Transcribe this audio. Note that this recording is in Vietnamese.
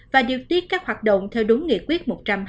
và điều tiết các hoạt động theo đúng nghị quyết một trăm hai mươi